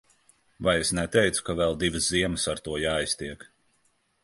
Vai es neteicu, ka vēl divas ziemas ar to jāiztiek.